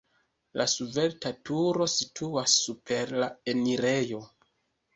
La svelta turo situas super la enirejo.